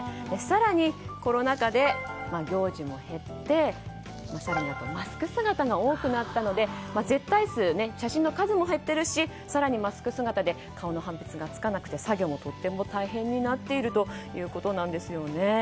更にコロナ禍で行事も減ってマスク姿が多くなったので写真の数も減ってるし更に、マスク姿で顔の判別がつかなくて作業もとっても大変になっているということなんです。